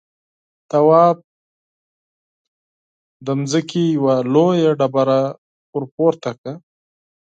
تواب له ځمکې يوه لويه ډبره ورپورته کړه.